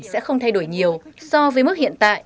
sẽ không thay đổi nhiều so với mức hiện tại